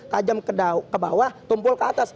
tajam ke bawah tumpul ke atas